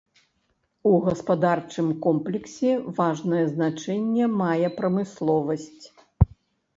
У гаспадарчым комплексе важнае значэнне мае прамысловасць.